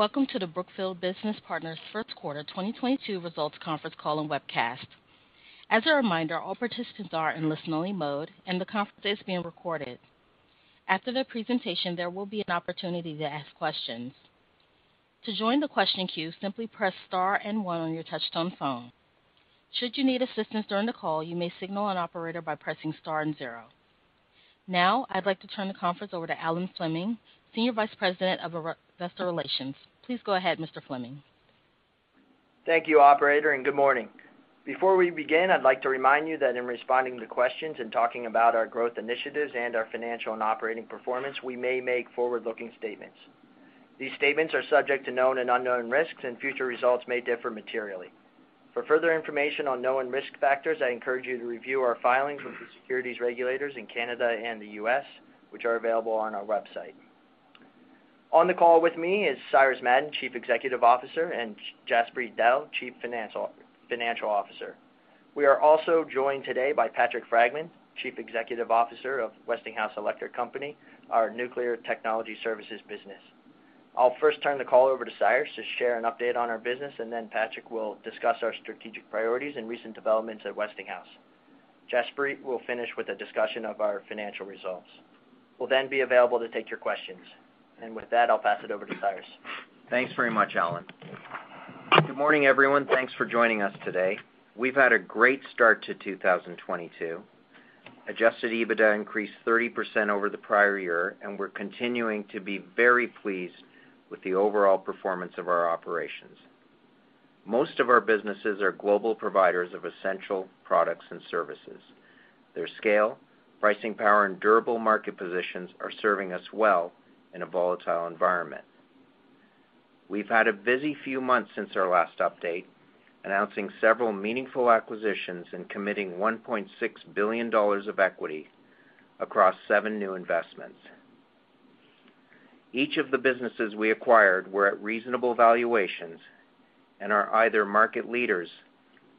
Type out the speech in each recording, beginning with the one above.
Welcome to the Brookfield Business Partners first quarter 2022 results conference call and webcast. As a reminder, all participants are in listen-only mode, and the conference is being recorded. After the presentation, there will be an opportunity to ask questions. To join the question queue, simply press star and one on your touchtone phone. Should you need assistance during the call, you may signal an operator by pressing star and zero. Now, I'd like to turn the conference over to Alan Fleming, Senior Vice President of Investor Relations. Please go ahead, Mr. Fleming. Thank you, operator, and good morning. Before we begin, I'd like to remind you that in responding to questions and talking about our growth initiatives and our financial and operating performance, we may make forward-looking statements. These statements are subject to known and unknown risks, and future results may differ materially. For further information on known risk factors, I encourage you to review our filings with the securities regulators in Canada and the U.S., which are available on our website. On the call with me is Cyrus Madon, Chief Executive Officer, and Jaspreet Dehl, Chief Financial Officer. We are also joined today by Patrick Fragman, Chief Executive Officer of Westinghouse Electric Company, our nuclear technology services business. I'll first turn the call over to Cyrus to share an update on our business, and then Patrick will discuss our strategic priorities and recent developments at Westinghouse. Jaspreet will finish with a discussion of our financial results. We'll then be available to take your questions. With that, I'll pass it over to Cyrus. Thanks very much, Alan. Good morning, everyone. Thanks for joining us today. We've had a great start to 2022. Adjusted EBITDA increased 30% over the prior year, and we're continuing to be very pleased with the overall performance of our operations. Most of our businesses are global providers of essential products and services. Their scale, pricing power, and durable market positions are serving us well in a volatile environment. We've had a busy few months since our last update, announcing several meaningful acquisitions and committing $1.6 billion of equity across seven new investments. Each of the businesses we acquired were at reasonable valuations and are either market leaders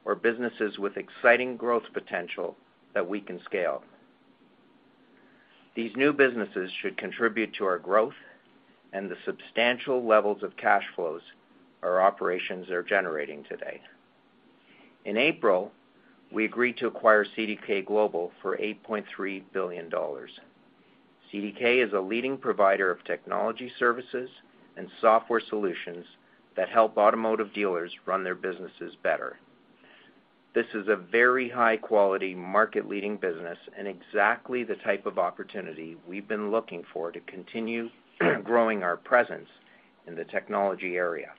or businesses with exciting growth potential that we can scale. These new businesses should contribute to our growth and the substantial levels of cash flows our operations are generating today. In April, we agreed to acquire CDK Global for $8.3 billion. CDK is a leading provider of technology services and software solutions that help automotive dealers run their businesses better. This is a very high-quality market-leading business and exactly the type of opportunity we've been looking for to continue growing our presence in the technology area.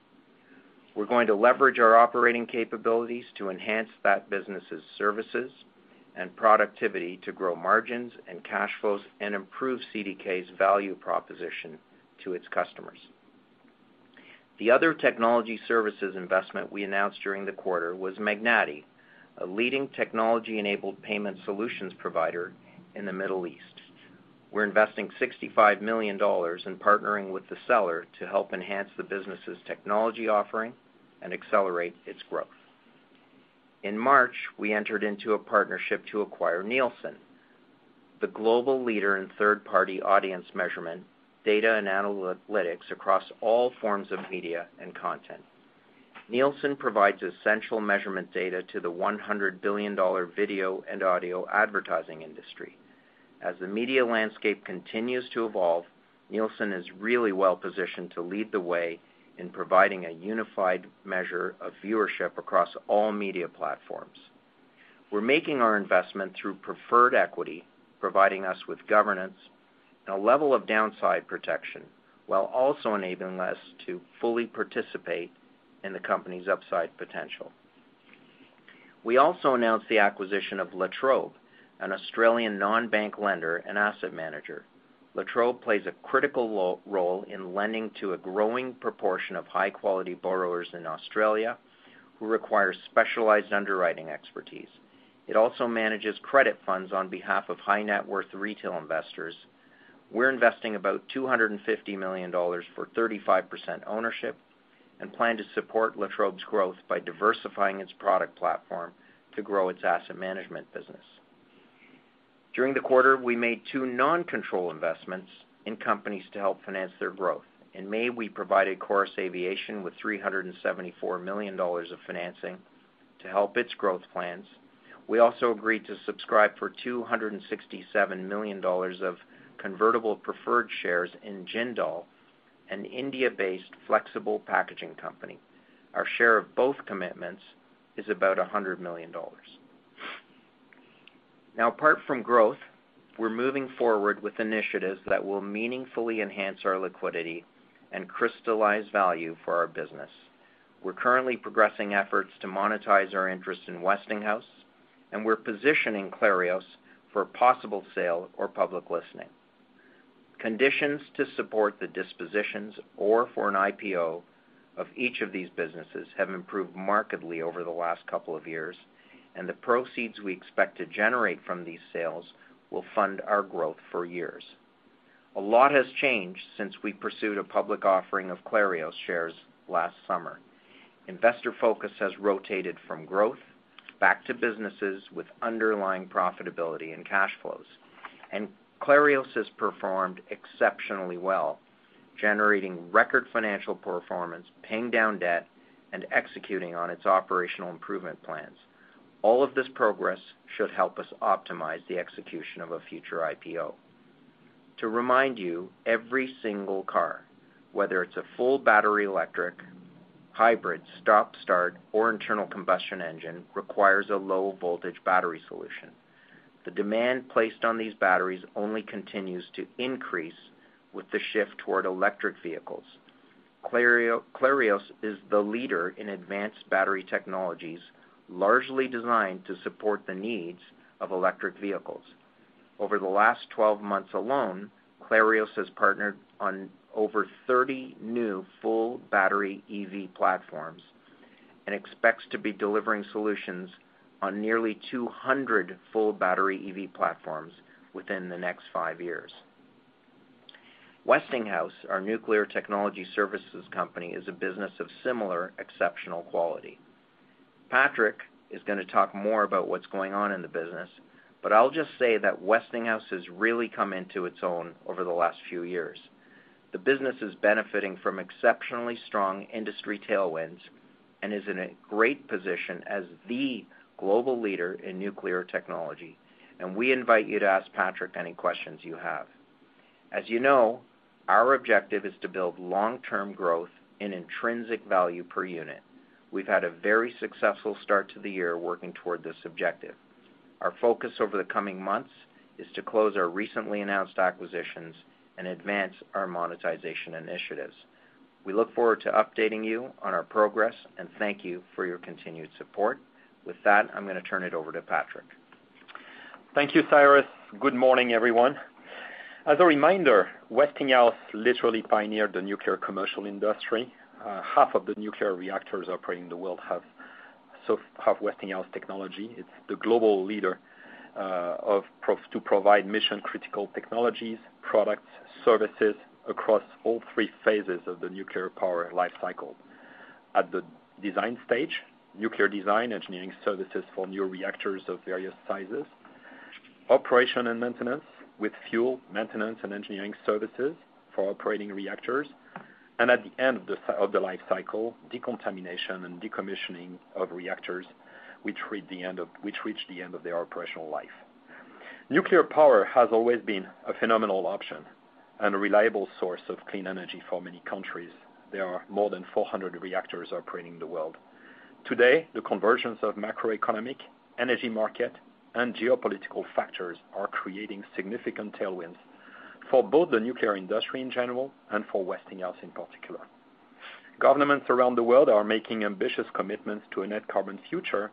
We're going to leverage our operating capabilities to enhance that business's services and productivity to grow margins and cash flows and improve CDK's value proposition to its customers. The other technology services investment we announced during the quarter was Magnati, a leading technology-enabled payment solutions provider in the Middle East. We're investing $65 million in partnering with the seller to help enhance the business's technology offering and accelerate its growth. In March, we entered into a partnership to acquire Nielsen, the global leader in third-party audience measurement, data, and analytics across all forms of media and content. Nielsen provides essential measurement data to the $100 billion video and audio advertising industry. As the media landscape continues to evolve, Nielsen is really well-positioned to lead the way in providing a unified measure of viewership across all media platforms. We're making our investment through preferred equity, providing us with governance and a level of downside protection, while also enabling us to fully participate in the company's upside potential. We also announced the acquisition of La Trobe Financial, an Australian non-bank lender and asset manager. La Trobe Financial plays a critical role in lending to a growing proportion of high-quality borrowers in Australia who require specialized underwriting expertise. It also manages credit funds on behalf of high-net-worth retail investors. We're investing about $250 million for 35% ownership and plan to support La Trobe Financial's growth by diversifying its product platform to grow its asset management business. During the quarter, we made two non-control investments in companies to help finance their growth. In May, we provided Chorus Aviation with $374 million of financing to help its growth plans. We also agreed to subscribe for $267 million of convertible preferred shares in Jindal Poly Films, an India-based flexible packaging company. Our share of both commitments is about $100 million. Now apart from growth, we're moving forward with initiatives that will meaningfully enhance our liquidity and crystallize value for our business. We're currently progressing efforts to monetize our interest in Westinghouse, and we're positioning Clarios for possible sale or public listing. Conditions to support the dispositions or for an IPO of each of these businesses have improved markedly over the last couple of years, and the proceeds we expect to generate from these sales will fund our growth for years. A lot has changed since we pursued a public offering of Clarios shares last summer. Investor focus has rotated from growth back to businesses with underlying profitability and cash flows. Clarios has performed exceptionally well, generating record financial performance, paying down debt, and executing on its operational improvement plans. All of this progress should help us optimize the execution of a future IPO. To remind you, every single car, whether it's a full battery electric, hybrid, stop/start, or internal combustion engine, requires a low-voltage battery solution. The demand placed on these batteries only continues to increase with the shift toward electric vehicles. Clarios is the leader in advanced battery technologies, largely designed to support the needs of electric vehicles. Over the last 12 months alone, Clarios has partnered on over 30 new full battery EV platforms and expects to be delivering solutions on nearly 200 full battery EV platforms within the next five years. Westinghouse, our nuclear technology services company, is a business of similar exceptional quality. Patrick is gonna talk more about what's going on in the business, but I'll just say that Westinghouse has really come into its own over the last few years. The business is benefiting from exceptionally strong industry tailwinds and is in a great position as the global leader in nuclear technology, and we invite you to ask Patrick any questions you have. As you know, our objective is to build long-term growth in intrinsic value per unit. We've had a very successful start to the year working toward this objective. Our focus over the coming months is to close our recently announced acquisitions and advance our monetization initiatives. We look forward to updating you on our progress, and thank you for your continued support. With that, I'm gonna turn it over to Patrick. Thank you, Cyrus. Good morning, everyone. As a reminder, Westinghouse literally pioneered the nuclear commercial industry. Half of the nuclear reactors operating in the world have Westinghouse technology. It's the global leader in providing mission-critical technologies, products, services across all three phases of the nuclear power life cycle. At the design stage, nuclear design engineering services for new reactors of various sizes, operation and maintenance with fuel, maintenance, and engineering services for operating reactors, and at the end of the life cycle, decontamination and decommissioning of reactors which reach the end of their operational life. Nuclear power has always been a phenomenal option and a reliable source of clean energy for many countries. There are more than 400 reactors operating in the world. Today, the convergence of macroeconomic, energy market, and geopolitical factors are creating significant tailwinds for both the nuclear industry in general and for Westinghouse in particular. Governments around the world are making ambitious commitments to a net carbon future,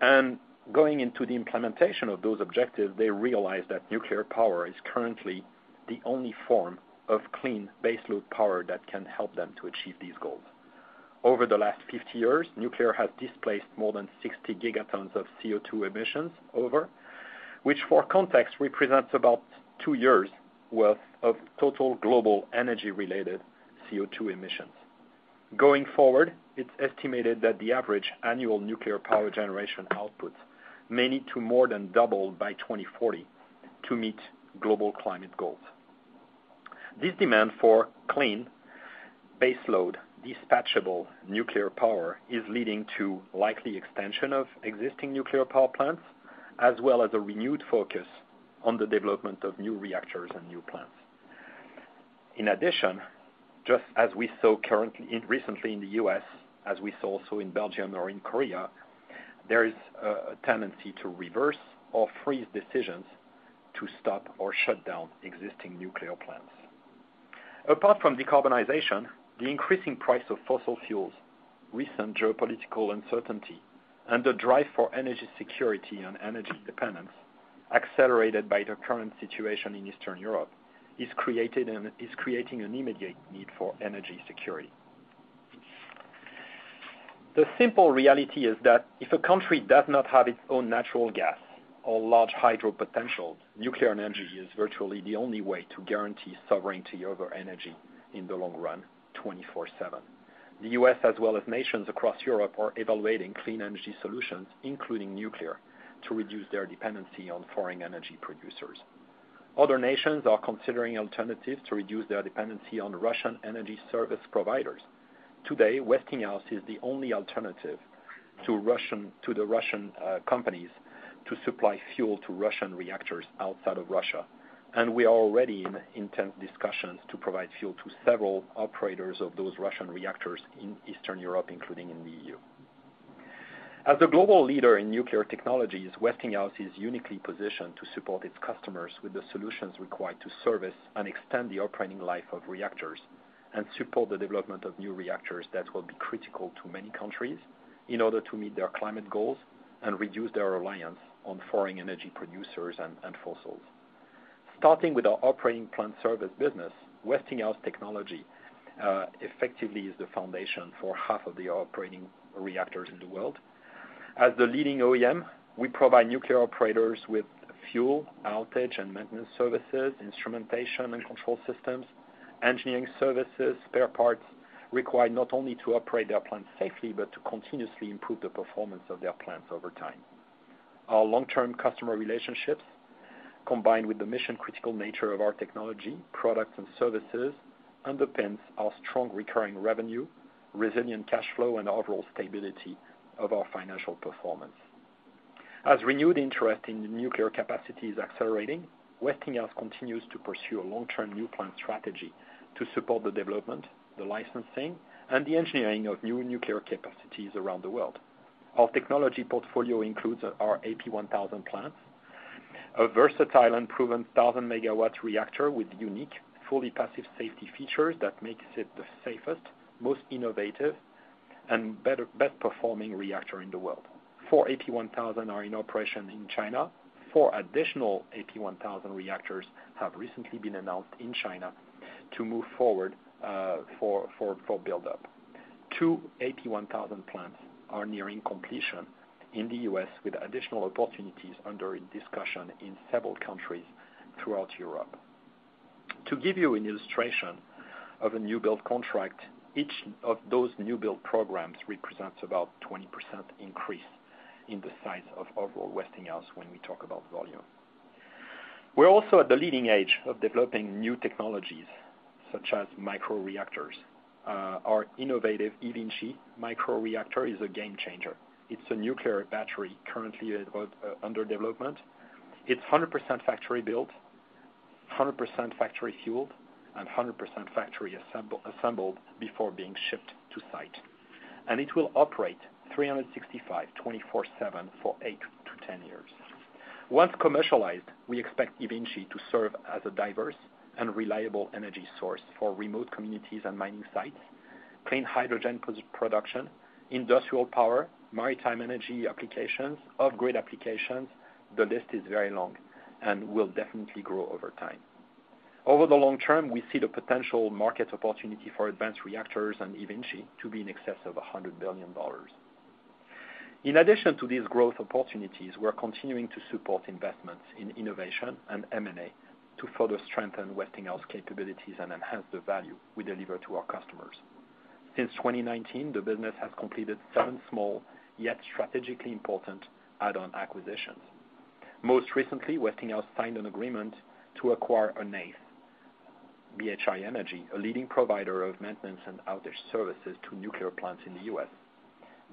and going into the implementation of those objectives, they realize that nuclear power is currently the only form of clean baseload power that can help them to achieve these goals. Over the last 50 years, nuclear has displaced more than 60 gigatons of CO2 emissions, which, for context, represents about two years' worth of total global energy-related CO2 emissions. Going forward, it's estimated that the average annual nuclear power generation outputs may need to more than double by 2040 to meet global climate goals. This demand for clean baseload dispatchable nuclear power is leading to likely extension of existing nuclear power plants as well as a renewed focus on the development of new reactors and new plants. In addition, just as we saw recently in the U.S., as we saw so in Belgium or in Korea, there is a tendency to reverse or freeze decisions to stop or shut down existing nuclear plants. Apart from decarbonization, the increasing price of fossil fuels, recent geopolitical uncertainty, and the drive for energy security and energy independence, accelerated by the current situation in Eastern Europe, is creating an immediate need for energy security. The simple reality is that if a country does not have its own natural gas or large hydro potential, nuclear energy is virtually the only way to guarantee sovereignty over energy in the long run, 24/7. The U.S. as well as nations across Europe are evaluating clean energy solutions, including nuclear, to reduce their dependency on foreign energy producers. Other nations are considering alternatives to reduce their dependency on Russian energy service providers. Today, Westinghouse is the only alternative to the Russian companies to supply fuel to Russian reactors outside of Russia, and we are already in intense discussions to provide fuel to several operators of those Russian reactors in Eastern Europe, including in the E.U. As a global leader in nuclear technologies, Westinghouse is uniquely positioned to support its customers with the solutions required to service and extend the operating life of reactors and support the development of new reactors that will be critical to many countries in order to meet their climate goals and reduce their reliance on foreign energy producers and fossil fuels. Starting with our operating plant service business, Westinghouse technology effectively is the foundation for half of the operating reactors in the world. As the leading OEM, we provide nuclear operators with fuel, outage, and maintenance services, instrumentation and control systems, engineering services, spare parts required not only to operate their plants safely, but to continuously improve the performance of their plants over time. Our long-term customer relationships, combined with the mission-critical nature of our technology, products, and services, underpins our strong recurring revenue, resilient cash flow, and overall stability of our financial performance. As renewed interest in nuclear capacity is accelerating, Westinghouse continues to pursue a long-term new plant strategy to support the development, the licensing, and the engineering of new nuclear capacities around the world. Our technology portfolio includes our AP1000 plant, a versatile and proven 1,000 MW reactor with unique, fully passive safety features that makes it the safest, most innovative, and best-performing reactor in the world. Four AP1000 are in operation in China. Four additional AP1000 reactors have recently been announced in China to move forward for build-up. Two AP1000 plants are nearing completion in the U.S., with additional opportunities under discussion in several countries throughout Europe. To give you an illustration of a new build contract, each of those new build programs represents about 20% increase in the size of overall Westinghouse when we talk about volume. We're also at the leading edge of developing new technologies such as microreactors. Our innovative eVinci microreactor is a game changer. It's a nuclear battery currently under development. It's 100% factory built, 100% factory fueled, and 100% factory assembled before being shipped to site. It will operate 365, 24/7 for eight to 10 years. Once commercialized, we expect eVinci to serve as a diverse and reliable energy source for remote communities and mining sites, clean hydrogen production, industrial power, maritime energy applications, off-grid applications. The list is very long and will definitely grow over time. Over the long term, we see the potential market opportunity for advanced reactors and eVinci to be in excess of $100 billion. In addition to these growth opportunities, we're continuing to support investments in innovation and M&A to further strengthen Westinghouse capabilities and enhance the value we deliver to our customers. Since 2019, the business has completed seven small, yet strategically important add-on acquisitions. Most recently, Westinghouse signed an agreement to acquire an eighth, BHI Energy, a leading provider of maintenance and outage services to nuclear plants in the U.S.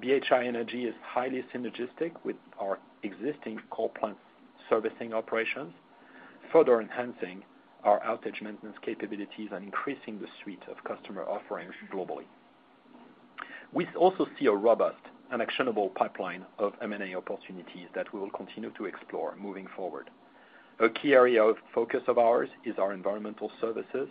BHI Energy is highly synergistic with our existing coal plant servicing operations, further enhancing our outage maintenance capabilities and increasing the suite of customer offerings globally. We also see a robust and actionable pipeline of M&A opportunities that we will continue to explore moving forward. A key area of focus of ours is our environmental services,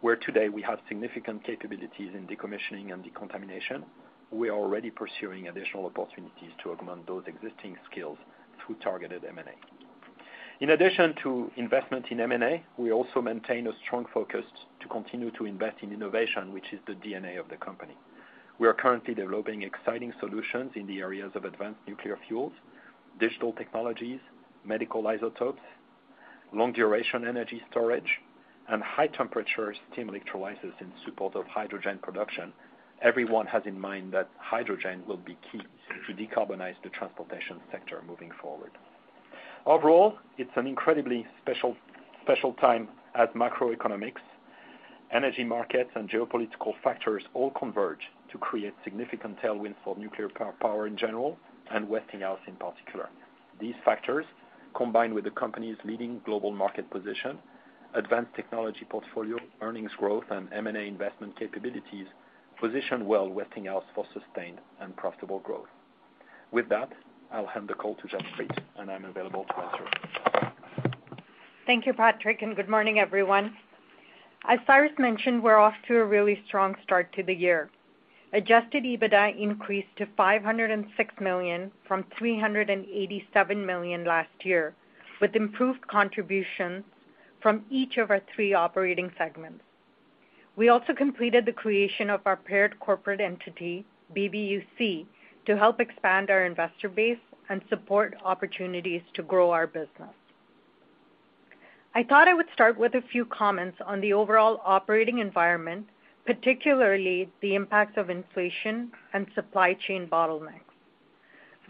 where today we have significant capabilities in decommissioning and decontamination. We are already pursuing additional opportunities to augment those existing skills through targeted M&A. In addition to investment in M&A, we also maintain a strong focus to continue to invest in innovation, which is the DNA of the company. We are currently developing exciting solutions in the areas of advanced nuclear fuels, digital technologies, medical isotopes, long-duration energy storage, and high-temperature steam electrolyzers in support of hydrogen production. Everyone has in mind that hydrogen will be key to decarbonize the transportation sector moving forward. Overall, it's an incredibly special time as macroeconomics, energy markets, and geopolitical factors all converge to create significant tailwind for nuclear power in general and Westinghouse in particular. These factors, combined with the company's leading global market position, advanced technology portfolio, earnings growth, and M&A investment capabilities, position well Westinghouse for sustained and profitable growth. With that, I'll hand the call to Jaspreet, and I'm available to answer. Thank you, Patrick, and good morning, everyone. As Cyrus mentioned, we're off to a really strong start to the year. Adjusted EBITDA increased to $506 million from $387 million last year, with improved contributions from each of our three operating segments. We also completed the creation of our paired corporate entity, BBUC, to help expand our investor base and support opportunities to grow our business. I thought I would start with a few comments on the overall operating environment, particularly the impacts of inflation and supply chain bottlenecks.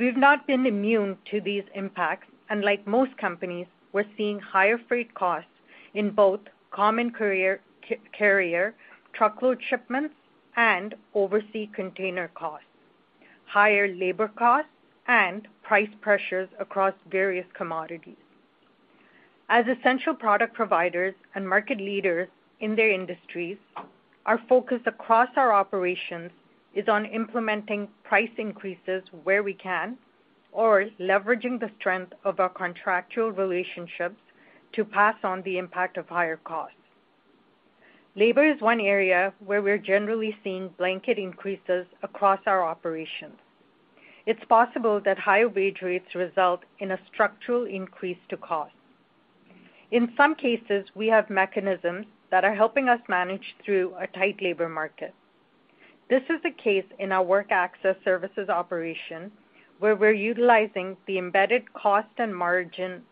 We've not been immune to these impacts, and like most companies, we're seeing higher freight costs in both common carrier truckload shipments and overseas container costs, higher labor costs, and price pressures across various commodities. As essential product providers and market leaders in their industries, our focus across our operations is on implementing price increases where we can, or leveraging the strength of our contractual relationships to pass on the impact of higher costs. Labor is one area where we're generally seeing blanket increases across our operations. It's possible that higher wage rates result in a structural increase to cost. In some cases, we have mechanisms that are helping us manage through a tight labor market. This is the case in our work access services operation, where we're utilizing the embedded cost and margin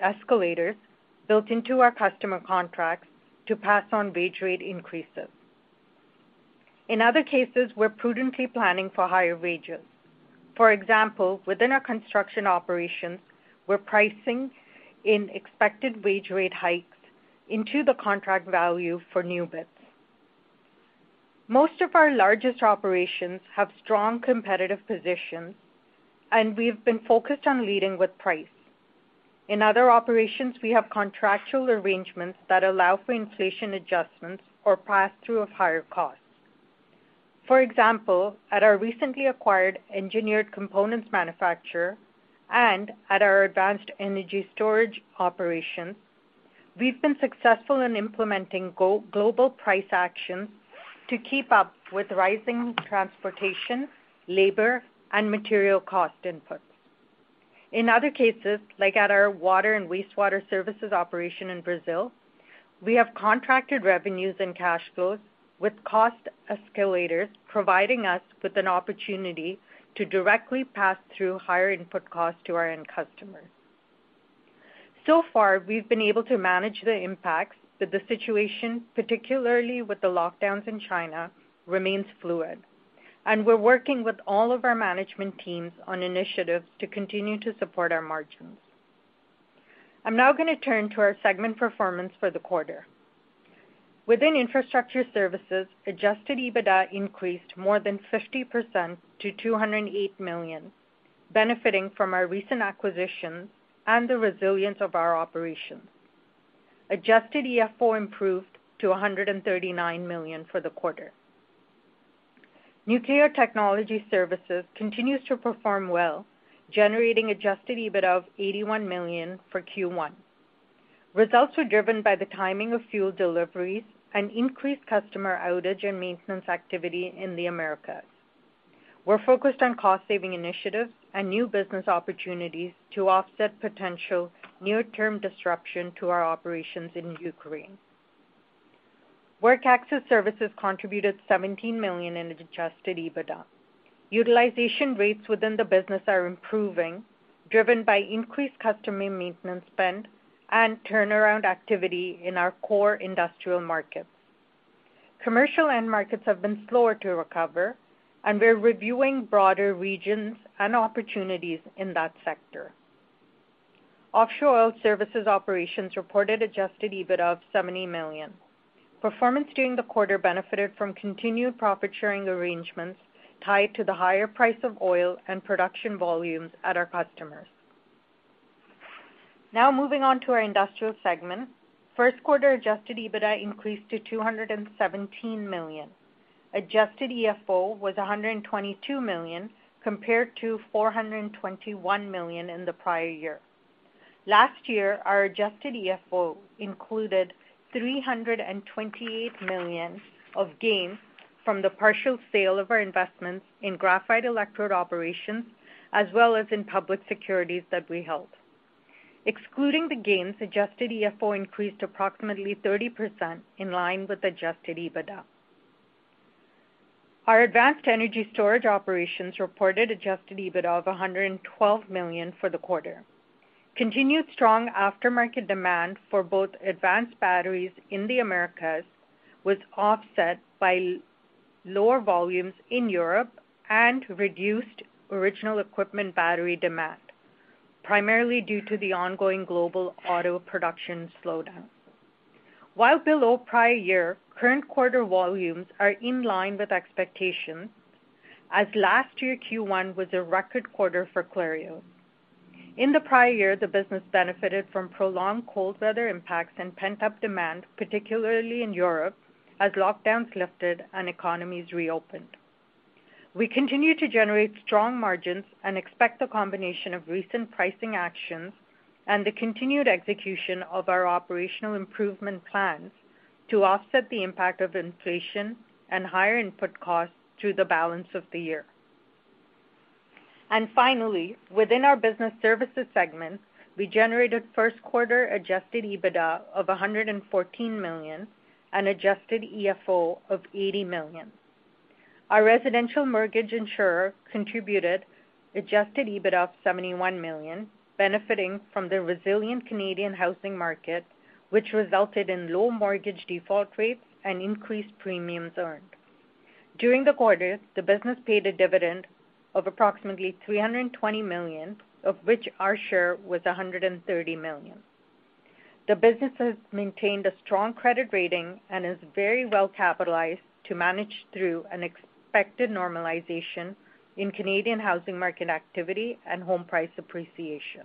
escalators built into our customer contracts to pass on wage rate increases. In other cases, we're prudently planning for higher wages. For example, within our construction operations, we're pricing in expected wage rate hikes into the contract value for new bids. Most of our largest operations have strong competitive positions, and we've been focused on leading with price. In other operations, we have contractual arrangements that allow for inflation adjustments or pass-through of higher costs. For example, at our recently acquired engineered components manufacturer and at our advanced energy storage operations, we've been successful in implementing global price actions to keep up with rising transportation, labor, and material cost inputs. In other cases, like at our water and wastewater services operation in Brazil, we have contracted revenues and cash flows, with cost escalators providing us with an opportunity to directly pass through higher input costs to our end customers. So far, we've been able to manage the impacts, but the situation, particularly with the lockdowns in China, remains fluid, and we're working with all of our management teams on initiatives to continue to support our margins. I'm now gonna turn to our segment performance for the quarter. Within infrastructure services, adjusted EBITDA increased more than 50% to $208 million, benefiting from our recent acquisitions and the resilience of our operations. Adjusted EFO improved to $139 million for the quarter. Nuclear technology services continues to perform well, generating adjusted EBITDA of $81 million for Q1. Results were driven by the timing of fuel deliveries and increased customer outage and maintenance activity in the Americas. We're focused on cost-saving initiatives and new business opportunities to offset potential near-term disruption to our operations in Ukraine. Work access services contributed $17 million in adjusted EBITDA. Utilization rates within the business are improving, driven by increased customer maintenance spend and turnaround activity in our core industrial markets. Commercial end markets have been slower to recover, and we're reviewing broader regions and opportunities in that sector. Offshore oil services operations reported Adjusted EBITDA of $70 million. Performance during the quarter benefited from continued profit-sharing arrangements tied to the higher price of oil and production volumes at our customers. Now moving on to our industrial segment. First quarter Adjusted EBITDA increased to $217 million. Adjusted EFO was $122 million, compared to $421 million in the prior year. Last year, our Adjusted EFO included $328 million of gains from the partial sale of our investments in graphite electrode operations, as well as in public securities that we held. Excluding the gains, Adjusted EFO increased approximately 30% in line with Adjusted EBITDA. Our advanced energy storage operations reported adjusted EBITDA of $112 million for the quarter. Continued strong aftermarket demand for both advanced batteries in the Americas was offset by lower volumes in Europe and reduced original equipment battery demand, primarily due to the ongoing global auto production slowdown. While below prior year, current quarter volumes are in line with expectations, as last year Q1 was a record quarter for Clarios. In the prior year, the business benefited from prolonged cold weather impacts and pent-up demand, particularly in Europe, as lockdowns lifted and economies reopened. We continue to generate strong margins and expect the combination of recent pricing actions and the continued execution of our operational improvement plans to offset the impact of inflation and higher input costs through the balance of the year. Finally, within our business services segment, we generated first quarter Adjusted EBITDA of $114 million and Adjusted EFO of $80 million. Our residential mortgage insurer contributed Adjusted EBITDA of $71 million, benefiting from the resilient Canadian housing market, which resulted in low mortgage default rates and increased premiums earned. During the quarter, the business paid a dividend of approximately $320 million, of which our share was $130 million. The business has maintained a strong credit rating and is very well capitalized to manage through an expected normalization in Canadian housing market activity and home price appreciation.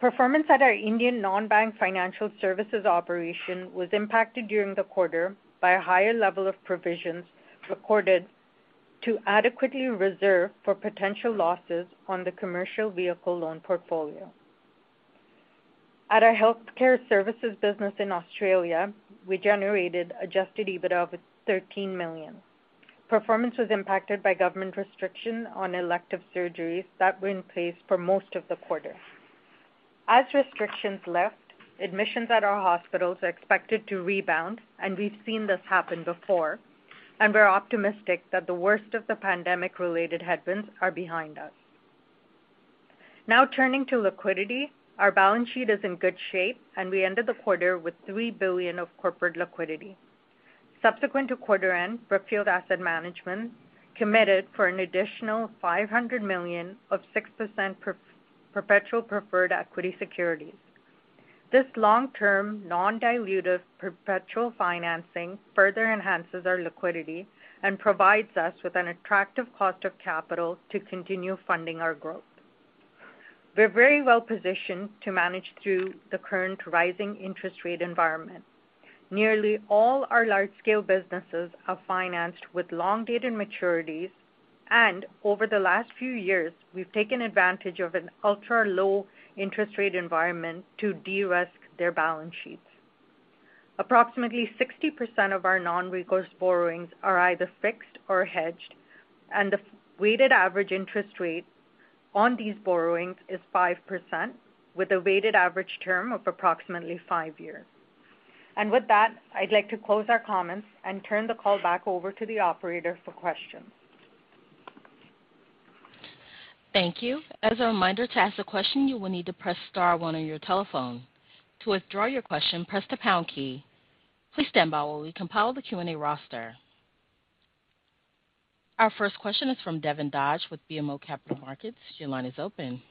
Performance at our Indian non-bank financial services operation was impacted during the quarter by a higher level of provisions recorded to adequately reserve for potential losses on the commercial vehicle loan portfolio. At our healthcare services business in Australia, we generated Adjusted EBITDA of $13 million. Performance was impacted by government restriction on elective surgeries that were in place for most of the quarter. As restrictions lift, admissions at our hospitals are expected to rebound, and we've seen this happen before, and we're optimistic that the worst of the pandemic-related headwinds are behind us. Now turning to liquidity. Our balance sheet is in good shape, and we ended the quarter with $3 billion of corporate liquidity. Subsequent to quarter end, Brookfield Asset Management committed for an additional $500 million of 6% perpetual preferred equity securities. This long-term, non-dilutive, perpetual financing further enhances our liquidity and provides us with an attractive cost of capital to continue funding our growth. We're very well positioned to manage through the current rising interest rate environment. Nearly all our large-scale businesses are financed with long-dated maturities, and over the last few years, we've taken advantage of an ultra-low interest rate environment to de-risk their balance sheets. Approximately 60% of our non-recourse borrowings are either fixed or hedged, and the weighted average interest rate on these borrowings is 5%, with a weighted average term of approximately five years. With that, I'd like to close our comments and turn the call back over to the operator for questions. Thank you. As a reminder, to ask a question, you will need to press star one on your telephone. To withdraw your question, press the pound key. Please stand by while we compile the Q&A roster. Our first question is from Devin Dodge with BMO Capital Markets. Your line is open.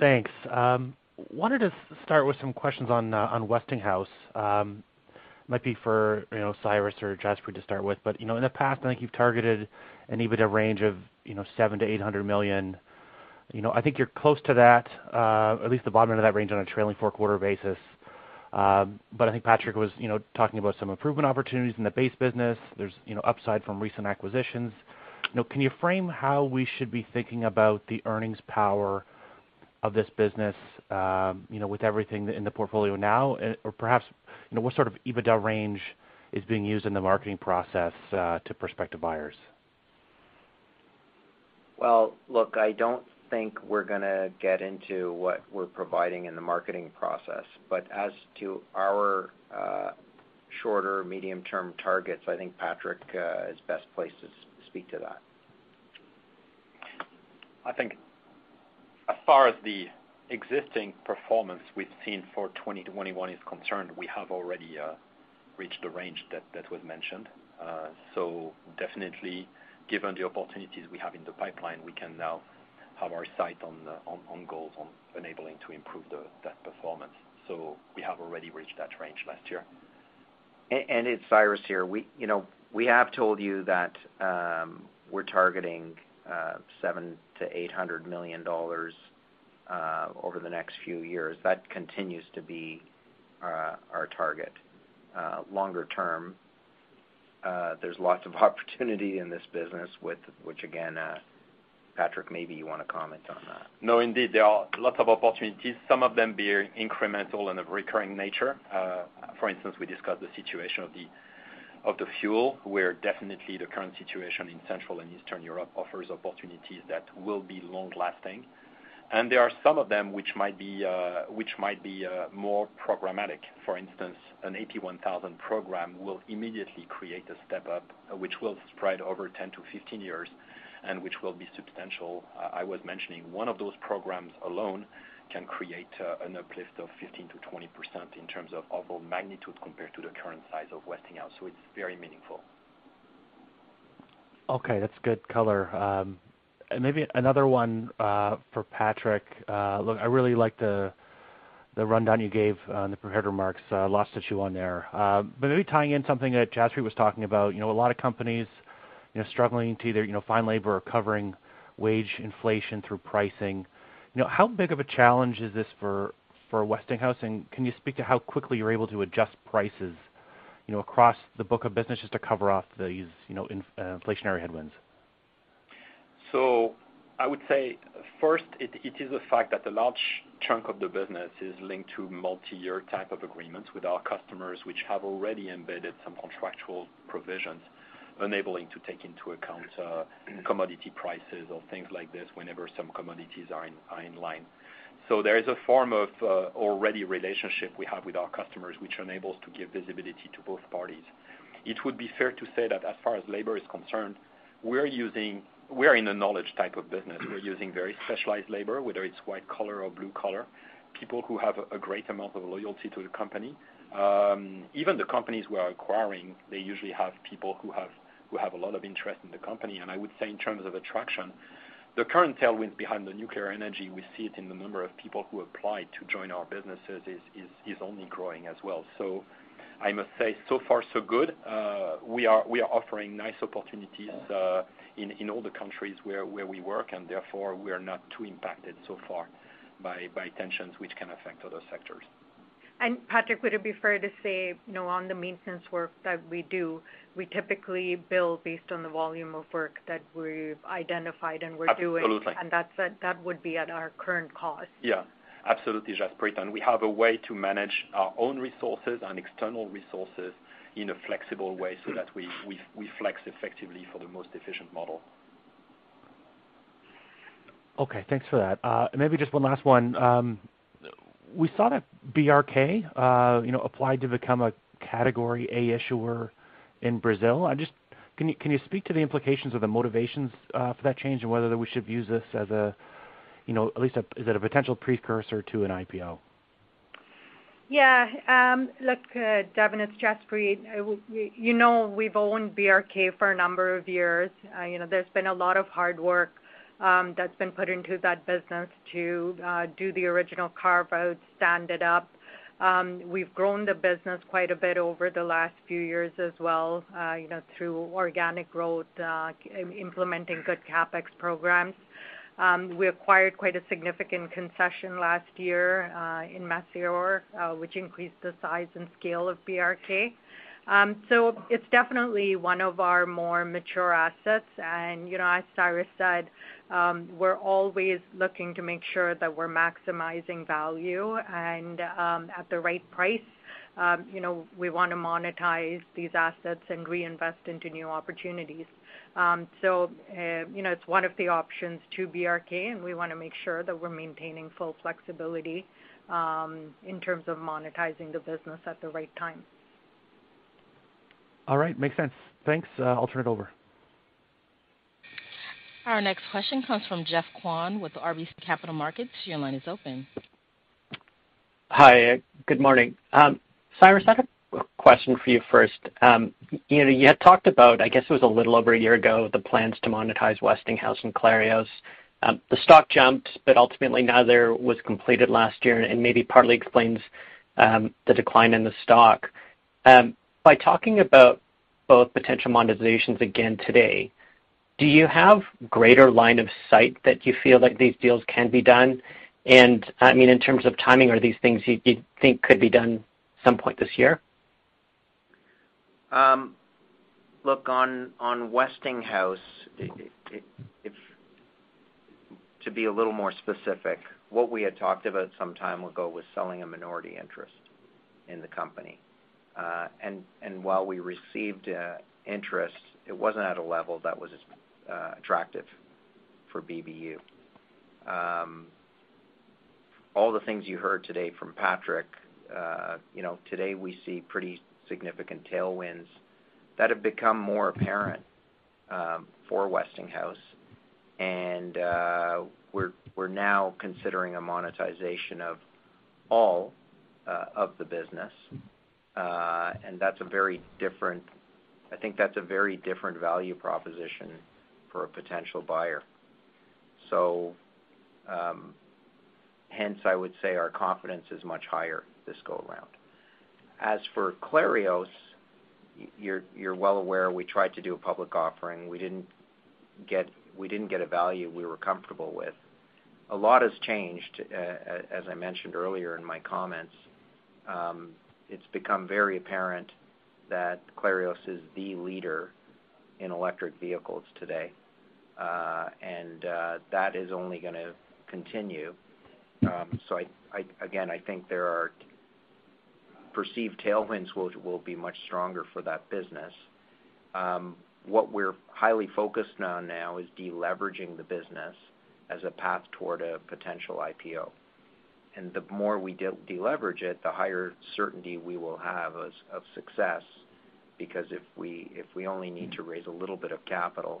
Thanks. Wanted to start with some questions on Westinghouse. Might be for, you know, Cyrus or Jaspreet to start with. In the past, I think you've targeted an EBITDA range of, you know, $700 million-$800 million. I think you're close to that, at least the bottom end of that range on a trailing four quarter basis. I think Patrick was, you know, talking about some improvement opportunities in the base business. There's, you know, upside from recent acquisitions. Can you frame how we should be thinking about the earnings power of this business, you know, with everything in the portfolio now? Or perhaps, you know, what sort of EBITDA range is being used in the marketing process to prospective buyers? Well, look, I don't think we're gonna get into what we're providing in the marketing process. As to our shorter medium-term targets, I think Patrick is best placed to speak to that. I think as far as the existing performance we've seen for 2021 is concerned, we have already reached the range that was mentioned. Definitely, given the opportunities we have in the pipeline, we can now have our sight on goals on enabling to improve that performance. We have already reached that range last year. It's Cyrus here. We have told you that we're targeting $700 million-$800 million over the next few years. That continues to be our target. Longer term, there's lots of opportunity in this business with which again, Patrick, maybe you want to comment on that. No, indeed, there are lots of opportunities, some of them being incremental and of recurring nature. For instance, we discussed the situation of the fuel, where definitely the current situation in Central and Eastern Europe offers opportunities that will be long-lasting. There are some of them which might be more programmatic. For instance, an AP1000 program will immediately create a step up which will spread over 10-15 years and which will be substantial. I was mentioning one of those programs alone can create an uplift of 15%-20% in terms of overall magnitude compared to the current size of Westinghouse, so it's very meaningful. Okay. That's good color. Maybe another one for Patrick. Look, I really like the rundown you gave on the prepared remarks. Lots to chew on there. But maybe tying in something that Jaspreet was talking about. You know, a lot of companies, you know, struggling to either, you know, find labor or covering wage inflation through pricing. You know, how big of a challenge is this for Westinghouse, and can you speak to how quickly you're able to adjust prices, you know, across the book of business just to cover off these, you know, inflationary headwinds? I would say, first, it is a fact that a large chunk of the business is linked to multi-year type of agreements with our customers, which have already embedded some contractual provisions enabling to take into account commodity prices or things like this whenever some commodities are in line. There is a form of already relationship we have with our customers, which enables to give visibility to both parties. It would be fair to say that as far as labor is concerned, we're in a knowledge type of business. We're using very specialized labor, whether it's white collar or blue collar, people who have a great amount of loyalty to the company. Even the companies we are acquiring, they usually have people who have a lot of interest in the company. I would say in terms of attraction, the current tailwind behind the nuclear energy, we see it in the number of people who apply to join our businesses is only growing as well. I must say, so far, so good. We are offering nice opportunities in all the countries where we work, and therefore, we are not too impacted so far by tensions which can affect other sectors. Patrick, would it be fair to say, you know, on the maintenance work that we do, we typically bill based on the volume of work that we've identified and we're doing? Absolutely. That would be at our current cost. Yeah. Absolutely, Jaspreet. We have a way to manage our own resources and external resources in a flexible way so that we flex effectively for the most efficient model. Okay, thanks for that. Maybe just one last one. We saw that BRK, you know, applied to become a Category A issuer in Brazil. I just can you speak to the implications of the motivations for that change and whether we should use this as a, you know, at least a, is it a potential precursor to an IPO? Yeah. Look, Devin, it's Jaspreet. You know, we've owned BRK for a number of years. You know, there's been a lot of hard work that's been put into that business to do the original carve out, stand it up. We've grown the business quite a bit over the last few years as well, you know, through organic growth, implementing good CapEx programs. We acquired quite a significant concession last year in Maceió, which increased the size and scale of BRK. So it's definitely one of our more mature assets. You know, as Cyrus said, we're always looking to make sure that we're maximizing value and at the right price. You know, we want to monetize these assets and reinvest into new opportunities. You know, it's one of the options to BRK, and we wanna make sure that we're maintaining full flexibility in terms of monetizing the business at the right time. All right. Makes sense. Thanks. I'll turn it over. Our next question comes from Geoff Kwan with RBC Capital Markets. Your line is open. Hi. Good morning. Cyrus, I have question for you first. You know, you had talked about, I guess it was a little over a year ago, the plans to monetize Westinghouse and Clarios. The stock jumped, but ultimately neither was completed last year, and maybe partly explains the decline in the stock. By talking about both potential monetizations again today, do you have greater line of sight that you feel like these deals can be done? I mean, in terms of timing, are these things you think could be done some point this year? Look, on Westinghouse, it's to be a little more specific, what we had talked about some time ago was selling a minority interest in the company. While we received interest, it wasn't at a level that was attractive for BBU. All the things you heard today from Patrick, you know, today we see pretty significant tailwinds that have become more apparent for Westinghouse. We're now considering a monetization of all of the business. That's a very different, I think that's a very different value proposition for a potential buyer. Hence, I would say our confidence is much higher this go around. As for Clarios, you're well aware we tried to do a public offering. We didn't get a value we were comfortable with. A lot has changed, as I mentioned earlier in my comments. It's become very apparent that Clarios is the leader in electric vehicles today, and that is only gonna continue. I again think there are perceived tailwinds which will be much stronger for that business. What we're highly focused on now is deleveraging the business as a path toward a potential IPO. The more we deleverage it, the higher certainty we will have of success, because if we only need to raise a little bit of capital,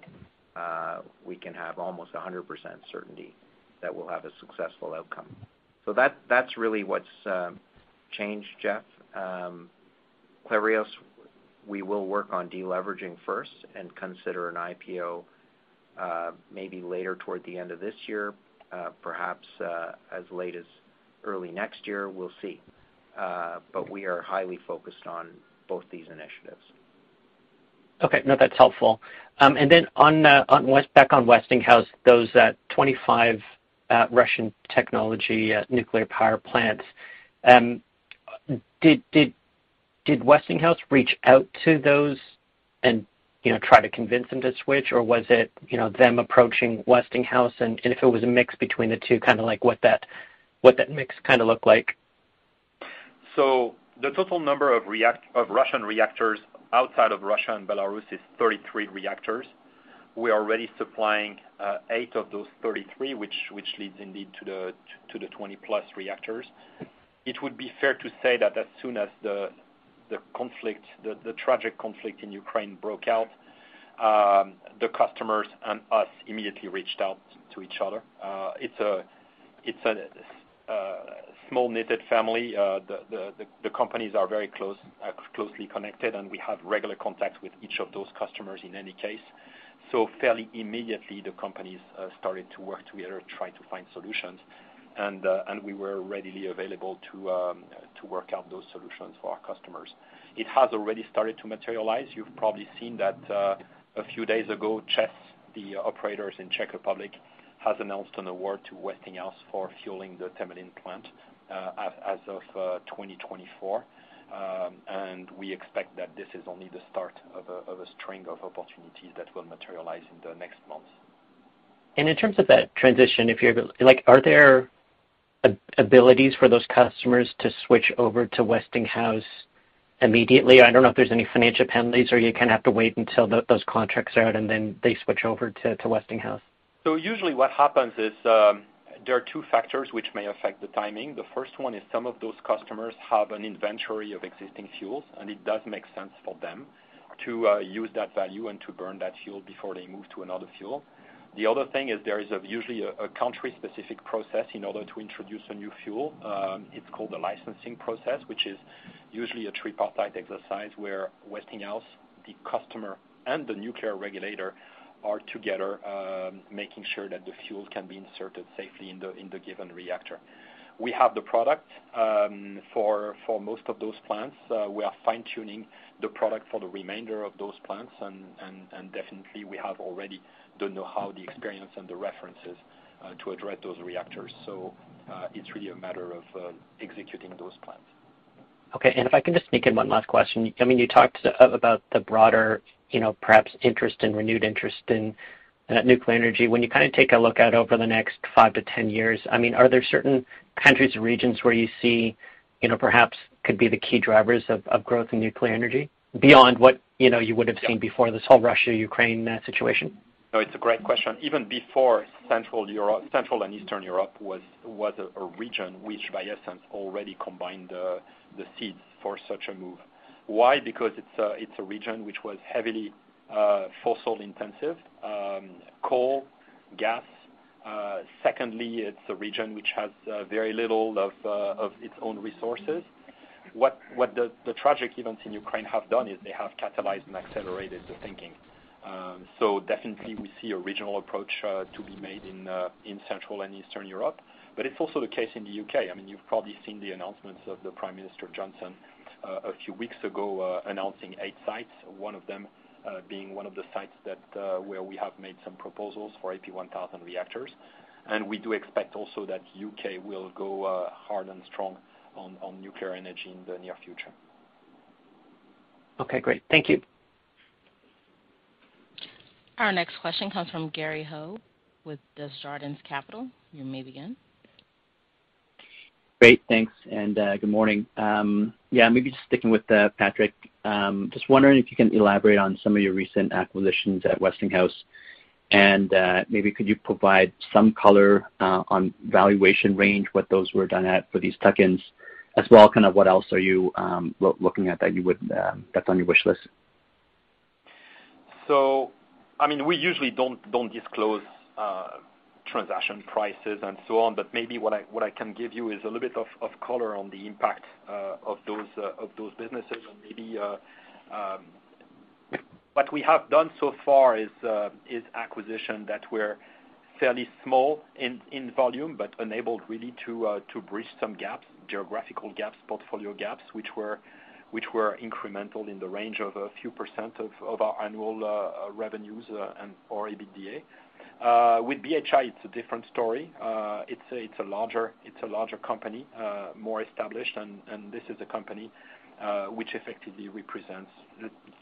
we can have almost 100% certainty that we'll have a successful outcome. That's really what's changed, Geoff. Clarios, we will work on deleveraging first and consider an IPO, maybe later toward the end of this year, perhaps, as late as early next year. We'll see. We are highly focused on both these initiatives. Okay. No, that's helpful. Back on Westinghouse, those 25 Russian technology nuclear power plants, did Westinghouse reach out to those and, you know, try to convince them to switch, or was it, you know, them approaching Westinghouse? If it was a mix between the two, kind of like what that mix kind of look like? The total number of Russian reactors outside of Russia and Belarus is 33 reactors. We are already supplying eight of those 33, which leads indeed to the 20+ reactors. It would be fair to say that as soon as the tragic conflict in Ukraine broke out, the customers and us immediately reached out to each other. It's a tight-knit family. The companies are very close, closely connected, and we have regular contact with each of those customers in any case. Fairly immediately, the companies started to work together to try to find solutions. We were readily available to work out those solutions for our customers. It has already started to materialize. You've probably seen that a few days ago, ČEZ, the operators in Czech Republic, has announced an award to Westinghouse for fueling the Temelín plant as of 2024. We expect that this is only the start of a string of opportunities that will materialize in the next months. In terms of that transition, if you're like, are there abilities for those customers to switch over to Westinghouse immediately. I don't know if there's any financial penalties, or you kinda have to wait until those contracts are out and then they switch over to Westinghouse. Usually what happens is, there are two factors which may affect the timing. The first one is some of those customers have an inventory of existing fuels, and it does make sense for them to use that fuel and to burn that fuel before they move to another fuel. The other thing is there is usually a country-specific process in order to introduce a new fuel. It's called the licensing process, which is usually a tripartite exercise where Westinghouse, the customer, and the nuclear regulator are together making sure that the fuel can be inserted safely in the given reactor. We have the product for most of those plants. We are fine-tuning the product for the remainder of those plants and definitely we have already the know-how, the experience, and the references to address those reactors. It's really a matter of executing those plans. Okay. If I can just sneak in one last question. I mean, you talked about the broader, you know, perhaps interest and renewed interest in nuclear energy. When you kind of take a look out over the next five to 10 years, I mean, are there certain countries or regions where you see, you know, perhaps could be the key drivers of growth in nuclear energy beyond what, you know, you would have seen before this whole Russia-Ukraine situation? No, it's a great question. Even before Central and Eastern Europe was a region which by essence already combined the seeds for such a move. Why? Because it's a region which was heavily fossil intensive, coal, gas. Secondly, it's a region which has very little of its own resources. What the tragic events in Ukraine have done is they have catalyzed and accelerated the thinking. Definitely we see a regional approach to be made in Central and Eastern Europe. It's also the case in the UK. I mean, you've probably seen the announcements of the Prime Minister Johnson a few weeks ago announcing eight sites, one of them being one of the sites where we have made some proposals for AP1000 reactors. We do expect also that U.K. will go hard and strong on nuclear energy in the near future. Okay, great. Thank you. Our next question comes from Gary Ho with the Desjardins Capital. You may begin. Great. Thanks. Good morning. Yeah, maybe just sticking with Patrick. Just wondering if you can elaborate on some of your recent acquisitions at Westinghouse. Maybe could you provide some color on valuation range, what those were done at for these tuck-ins? As well, kind of what else are you looking at that's on your wish list? I mean, we usually don't disclose transaction prices and so on, but maybe what I can give you is a little bit of color on the impact of those businesses. Maybe what we have done so far is acquisition that we're fairly small in volume, but enabled really to bridge some gaps, geographical gaps, portfolio gaps, which were incremental in the range of a few percent of our annual revenues or EBITDA. With BHI, it's a different story. It's a larger company, more established. This is a company which effectively represents,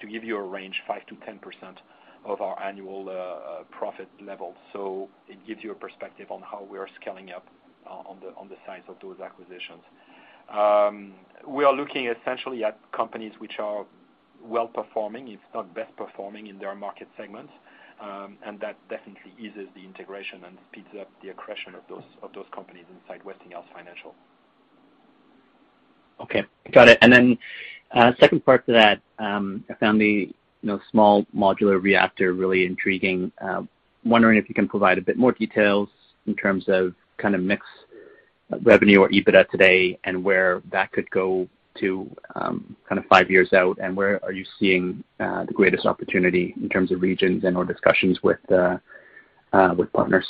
to give you a range, 5%-10% of our annual profit levels. It gives you a perspective on how we are scaling up on the size of those acquisitions. We are looking essentially at companies which are well-performing, if not best-performing in their market segments. That definitely eases the integration and speeds up the accretion of those companies inside Westinghouse. Okay. Got it. Second part to that, I found the, you know, small modular reactor really intriguing. Wondering if you can provide a bit more details in terms of kind of mixed revenue or EBITDA today and where that could go to, kind of five years out, and where are you seeing the greatest opportunity in terms of regions and/or discussions with partners?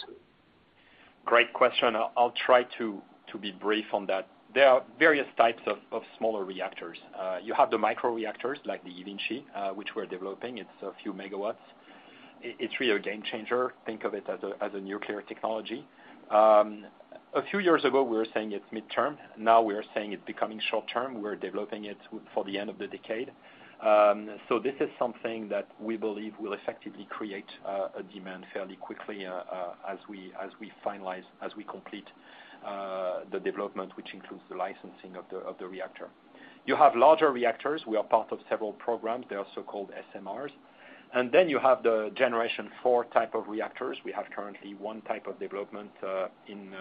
Great question. I'll try to be brief on that. There are various types of smaller reactors. You have the microreactors, like the eVinci, which we're developing. It's a few megawatts. It's really a game changer, think of it as a nuclear technology. A few years ago, we were saying it's midterm. Now we are saying it's becoming short term. We're developing it for the end of the decade. This is something that we believe will effectively create a demand fairly quickly, as we complete the development, which includes the licensing of the reactor. You have larger reactors. We are part of several programs. They are so-called SMRs. Then you have the Generation IV type of reactors. We have currently one type of development in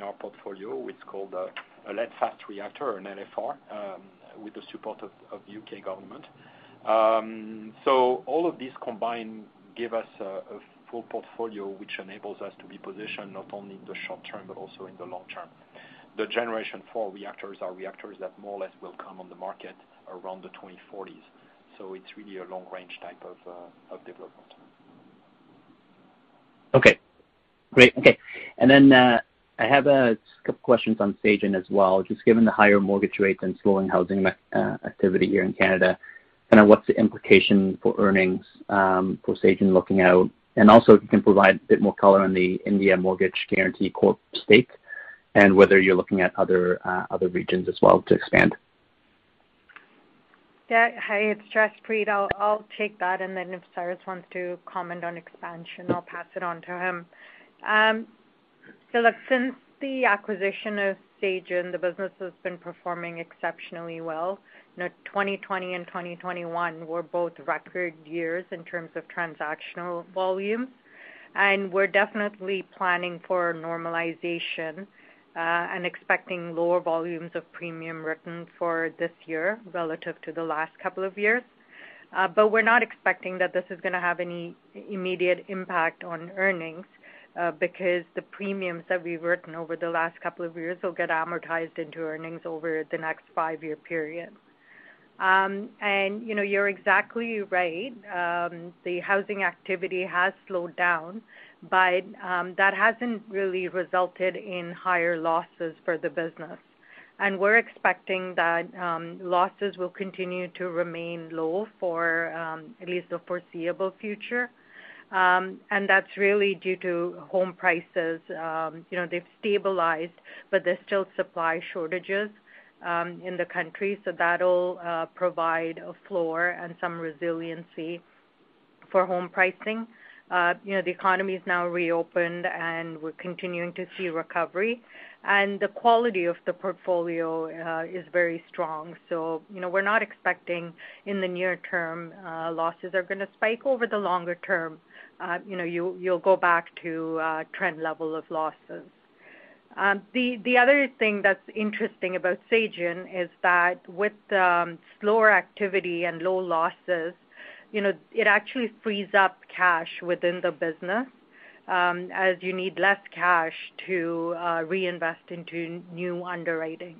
our portfolio. It's called a lead fast reactor, an LFR, with the support of the U.K. government. All of these combined give us a full portfolio, which enables us to be positioned not only in the short term, but also in the long term. The Generation IV reactors are reactors that more or less will come on the market around the 2040s. It's really a long-range type of development. I have a couple questions on Sagen as well. Just given the higher mortgage rates and slowing housing activity here in Canada, kind of what's the implication for earnings for Sagen looking out? If you can provide a bit more color on the India Mortgage Guarantee Corporation stake and whether you're looking at other regions as well to expand. Yeah. Hi, it's Jaspreet. I'll take that, and then if Cyrus wants to comment on expansion, I'll pass it on to him. Look, since the acquisition of Sagen, the business has been performing exceptionally well. You know, 2020 and 2021 were both record years in terms of transactional volume. We're definitely planning for normalization, and expecting lower volumes of premium written for this year relative to the last couple of years. We're not expecting that this is gonna have any immediate impact on earnings, because the premiums that we've written over the last couple of years will get amortized into earnings over the next five-year period. You know, you're exactly right. The housing activity has slowed down, but that hasn't really resulted in higher losses for the business. We're expecting that losses will continue to remain low for at least the foreseeable future. That's really due to home prices. You know, they've stabilized, but there's still supply shortages in the country, so that'll provide a floor and some resiliency for home pricing. You know, the economy is now reopened, and we're continuing to see recovery. The quality of the portfolio is very strong. You know, we're not expecting in the near term losses are gonna spike over the longer term. You know, you'll go back to a trend level of losses. The other thing that's interesting about Sagen is that with slower activity and low losses, you know, it actually frees up cash within the business as you need less cash to reinvest into new underwriting.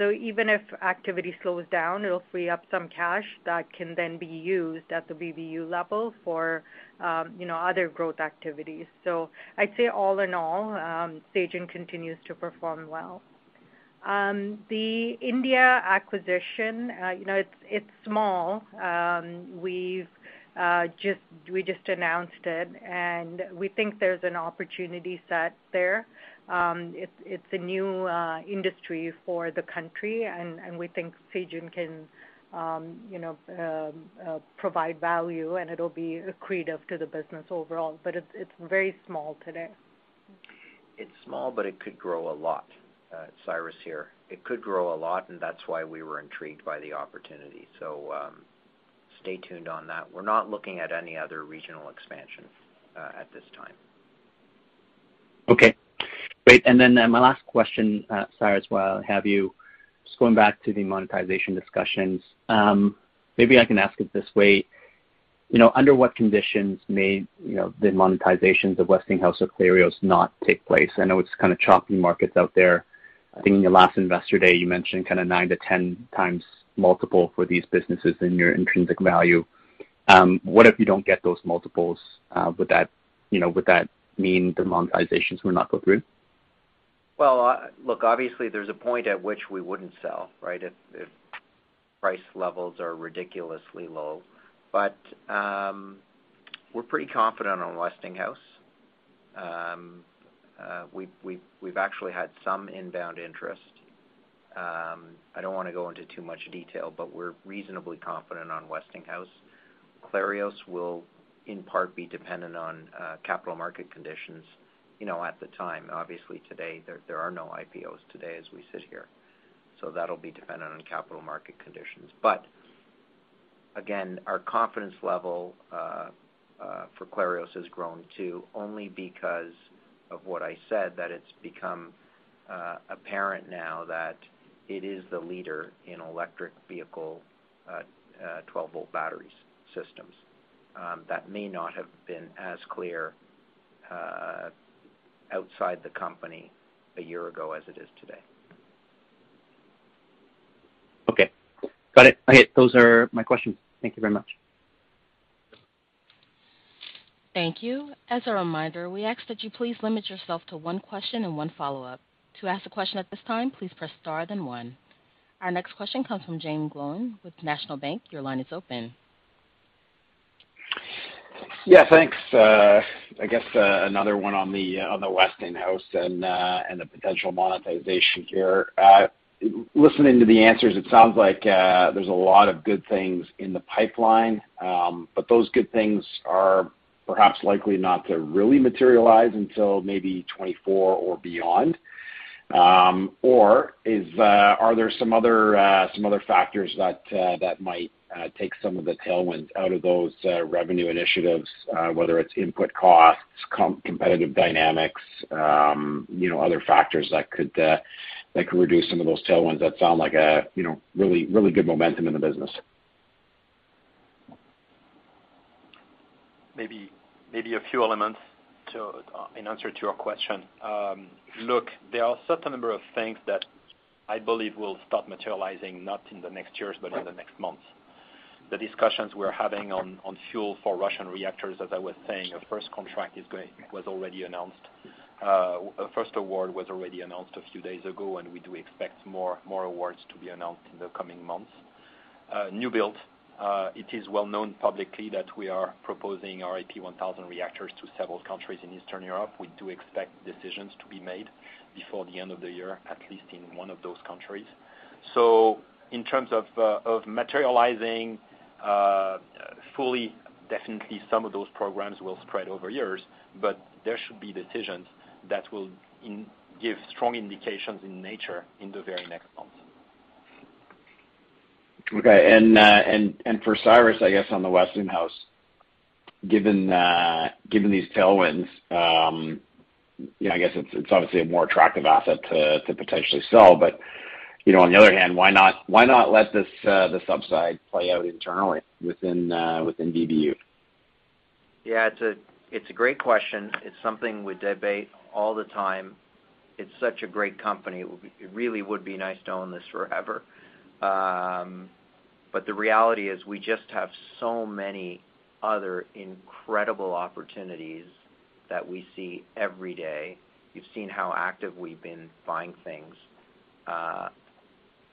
Even if activity slows down, it'll free up some cash that can then be used at the BBU level for you know other growth activities. I'd say all in all, Sagen continues to perform well. The India acquisition, you know, it's small. We've just announced it, and we think there's an opportunity set there. It's a new industry for the country and we think Sagen can you know provide value, and it'll be accretive to the business overall. It's very small today. It's small, but it could grow a lot. Cyrus here. It could grow a lot, and that's why we were intrigued by the opportunity. Stay tuned on that. We're not looking at any other regional expansion, at this time. Okay, great. My last question, Cyrus, while I have you, just going back to the monetization discussions. Maybe I can ask it this way. You know, under what conditions may, you know, the monetizations of Westinghouse or Clarios not take place? I know it's kind of choppy markets out there. I think in your last Investor Day, you mentioned kind of 9x-10x multiple for these businesses in your intrinsic value. What if you don't get those multiples? Would that, you know, would that mean the monetizations will not go through? Well, look, obviously there's a point at which we wouldn't sell, right? If price levels are ridiculously low. We're pretty confident on Westinghouse. We've actually had some inbound interest. I don't wanna go into too much detail, but we're reasonably confident on Westinghouse. Clarios will in part be dependent on capital market conditions, you know, at the time. Obviously, today, there are no IPOs today as we sit here. That'll be dependent on capital market conditions. Again, our confidence level for Clarios has grown too, only because of what I said, that it's become apparent now that it is the leader in electric vehicle twelve-volt batteries systems. That may not have been as clear outside the company a year ago as it is today. Okay. Got it. Okay. Those are my questions. Thank you very much. Thank you. As a reminder, we ask that you please limit yourself to one question and one follow-up. To ask a question at this time, please press star then one. Our next question comes from Jaeme Gloyn with National Bank. Your line is open. Yeah, thanks. I guess another one on the Westinghouse and the potential monetization here. Listening to the answers, it sounds like there's a lot of good things in the pipeline. But those good things are perhaps likely not to really materialize until maybe 2024 or beyond. Or are there some other factors that might take some of the tailwinds out of those revenue initiatives, whether it's input costs, competitive dynamics, you know, other factors that could reduce some of those tailwinds that sound like a, you know, really, really good momentum in the business? Maybe a few elements, too, in answer to your question. Look, there are certain number of things that I believe will start materializing not in the next years, but in the next months. The discussions we're having on fuel for Russian reactors, as I was saying, our first contract was already announced. Our first award was already announced a few days ago, and we do expect more awards to be announced in the coming months. It is well known publicly that we are proposing our AP 1000 reactors to several countries in Eastern Europe. We do expect decisions to be made before the end of the year, at least in one of those countries. In terms of materializing fully, definitely some of those programs will spread over years, but there should be decisions that will give strong indications in nature in the very next months. For Cyrus, I guess, on the Westinghouse, given these tailwinds, you know, I guess it's obviously a more attractive asset to potentially sell. You know, on the other hand, why not let this upside play out internally within BBU? Yeah, it's a great question. It's something we debate all the time. It's such a great company. It would be. It really would be nice to own this forever. But the reality is we just have so many other incredible opportunities that we see every day. You've seen how active we've been buying things.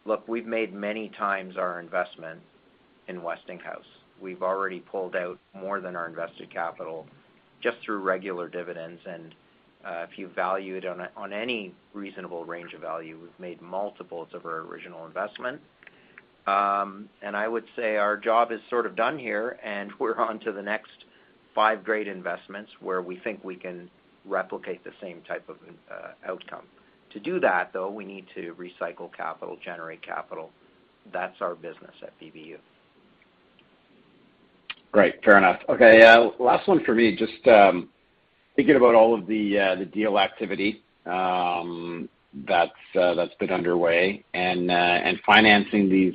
Look, we've made many times our investment in Westinghouse. We've already pulled out more than our invested capital just through regular dividends. If you value it on any reasonable range of value, we've made multiples of our original investment. I would say our job is sort of done here, and we're on to the next five great investments where we think we can replicate the same type of outcome. To do that, though, we need to recycle capital, generate capital. That's our business at BBU. Great. Fair enough. Okay, last one for me. Just thinking about all of the deal activity that's been underway and financing these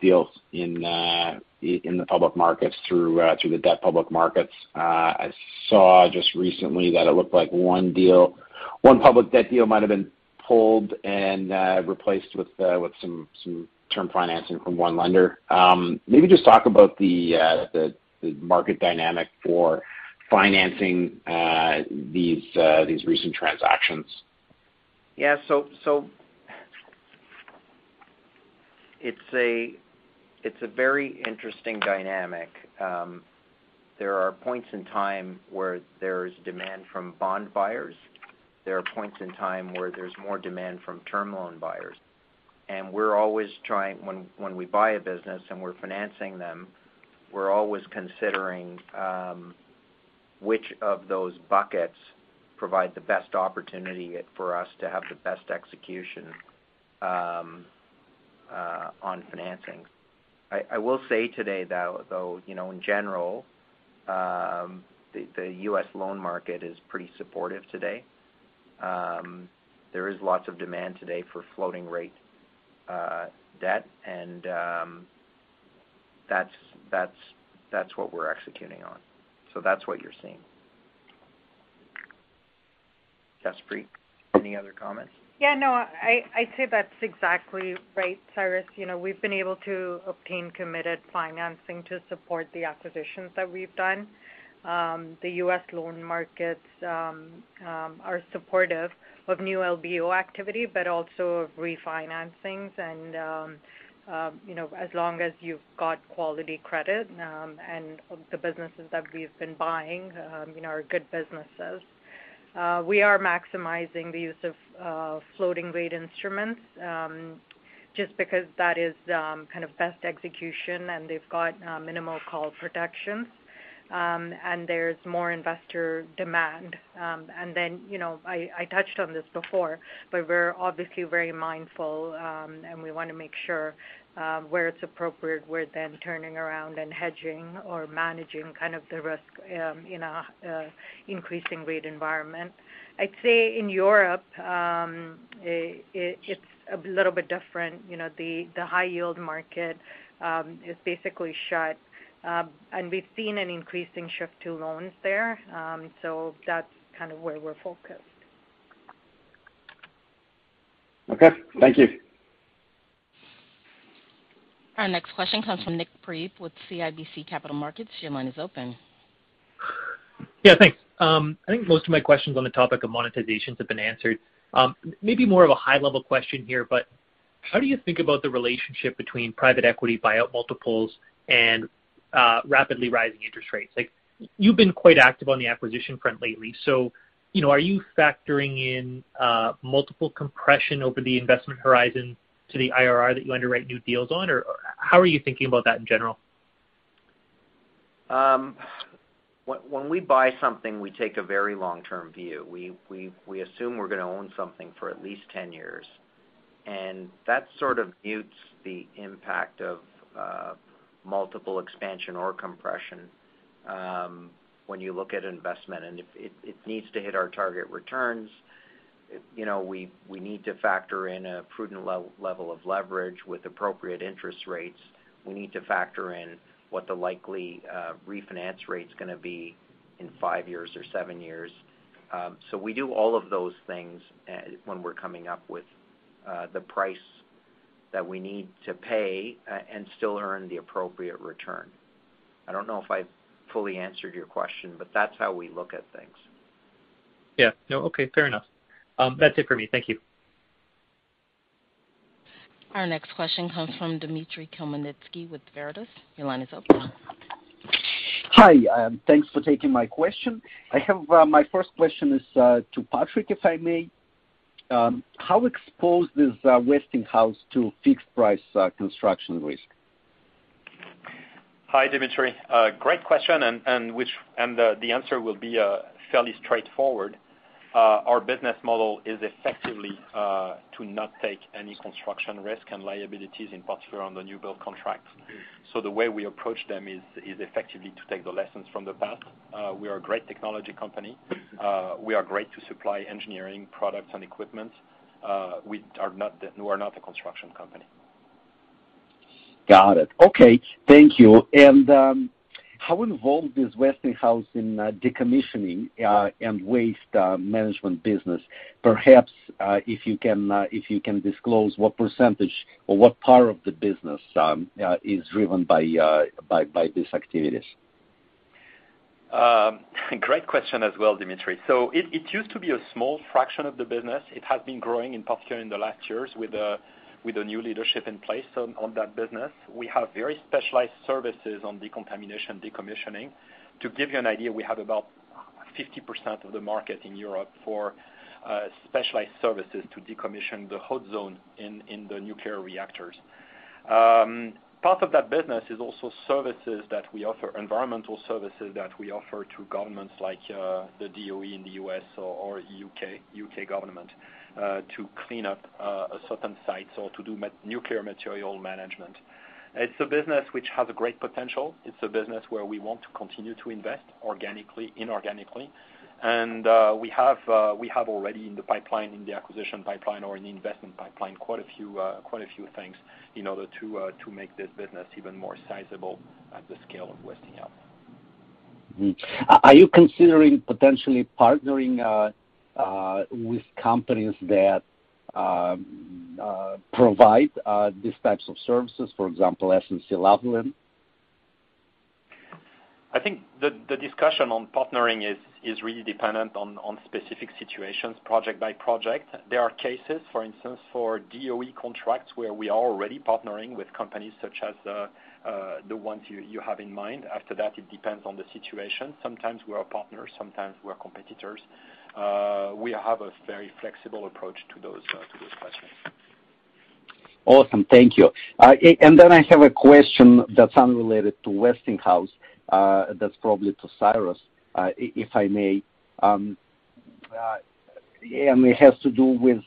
deals in the public markets through the public debt markets. I saw just recently that it looked like one deal, one public debt deal might have been pulled and replaced with some term financing from one lender. Maybe just talk about the market dynamic for financing these recent transactions. Yeah. It's a very interesting dynamic. There are points in time where there's demand from bond buyers. There are points in time where there's more demand from term loan buyers. When we buy a business and we're financing them, we're always considering which of those buckets provide the best opportunity for us to have the best execution on financings. I will say today though you know in general the U.S. loan market is pretty supportive today. There is lots of demand today for floating rate debt and that's what we're executing on. That's what you're seeing. Jaspreet, any other comments? Yeah, no, I'd say that's exactly right, Cyrus. You know, we've been able to obtain committed financing to support the acquisitions that we've done. The U.S. loan markets are supportive of new LBO activity, but also of refinancings and, you know, as long as you've got quality credit, and the businesses that we've been buying, you know, are good businesses. We are maximizing the use of floating rate instruments, just because that is kind of best execution, and they've got minimal call protections. There's more investor demand. Then, you know, I touched on this before, but we're obviously very mindful, and we wanna make sure, where it's appropriate, we're then turning around and hedging or managing kind of the risk, in an increasing rate environment. I'd say in Europe, it's a little bit different. You know, the high yield market is basically shut. We've seen an increasing shift to loans there. That's kind of where we're focused. Okay. Thank you. Our next question comes from Nik Priebe with CIBC Capital Markets. Your line is open. Yeah, thanks. I think most of my questions on the topic of monetizations have been answered. Maybe more of a high level question here, but how do you think about the relationship between private equity buyout multiples and rapidly rising interest rates? Like, you've been quite active on the acquisition front lately, so, you know, are you factoring in multiple compression over the investment horizon to the IRR that you underwrite new deals on, or how are you thinking about that in general? When we buy something, we take a very long-term view. We assume we're gonna own something for at least 10 years, and that sort of mutes the impact of multiple expansion or compression when you look at investment. If it needs to hit our target returns, you know, we need to factor in a prudent level of leverage with appropriate interest rates. We need to factor in what the likely refinance rate's gonna be in five years or seven years. We do all of those things when we're coming up with the price that we need to pay and still earn the appropriate return. I don't know if I've fully answered your question, but that's how we look at things. Yeah. No. Okay. Fair enough. That's it for me. Thank you. Our next question comes from Dimitry Khmelnitsky with Veritas. Your line is open. Hi, thanks for taking my question. I have my first question is to Patrick, if I may. How exposed is Westinghouse to fixed price construction risk? Hi, Dmitry. Great question. The answer will be fairly straightforward. Our business model is effectively to not take any construction risk and liabilities, in particular on the new build contracts. The way we approach them is effectively to take the lessons from the past. We are a great technology company. We are great to supply engineering products and equipment. We are not a construction company. Got it. Okay. Thank you. How involved is Westinghouse in decommissioning and waste management business? Perhaps, if you can disclose what percentage or what part of the business is driven by these activities. Great question as well, Dimitry. It used to be a small fraction of the business. It has been growing, in particular in the last years with the new leadership in place on that business. We have very specialized services on decontamination, decommissioning. To give you an idea, we have about 50% of the market in Europe for specialized services to decommission the hot zone in the nuclear reactors. Part of that business is also services that we offer, environmental services that we offer to governments like the DOE in the US or U.K. government to clean up certain sites or to do nuclear material management. It's a business which has a great potential. It's a business where we want to continue to invest organically, inorganically. We have already in the pipeline, in the acquisition pipeline or in the investment pipeline, quite a few things in order to make this business even more sizable at the scale of Westinghouse. Are you considering potentially partnering with companies that provide these types of services, for example, SNC-Lavalin? I think the discussion on partnering is really dependent on specific situations, project by project. There are cases, for instance, for DOE contracts, where we are already partnering with companies such as the ones you have in mind. After that, it depends on the situation. Sometimes we are partners, sometimes we are competitors. We have a very flexible approach to those questions. Awesome. Thank you. I have a question that's unrelated to Westinghouse, that's probably to Cyrus, if I may. It has to do with